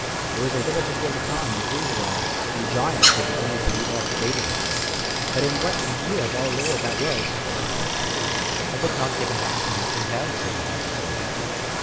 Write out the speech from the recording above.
_ ——It was a little before the time, an' please your honour, when giants were beginning to leave off breeding:—but in what year of our Lord that was— I would not give a halfpenny to know, said my uncle _Toby.